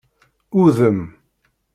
Udem.